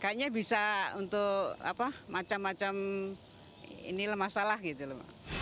kayaknya bisa untuk macam macam masalah gitu